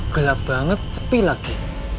gelap banget sepi lagi